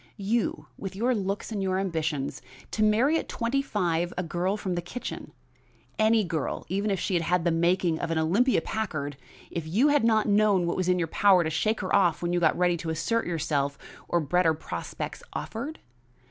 You, with your looks and your ambitions, to marry at twenty five a girl from the kitchen! any girl, even if she had the making of an Olympia Packard, if you did not know that it was in your power to shake her off when you got ready to assert yourself, or better prospects offered?